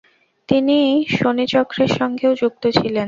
তিনি শনিচক্রের সঙ্গেও যুক্ত ছিলেন।